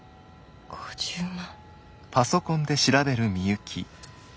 ５０万。